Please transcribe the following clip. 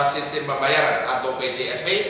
sistem pembayaran atau pjsp